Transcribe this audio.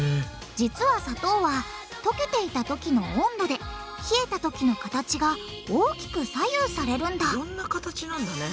実は砂糖は溶けていた時の温度で冷えた時の形が大きく左右されるんだいろんな形なんだね。